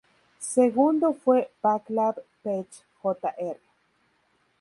Segundo fue Václav Pech jr.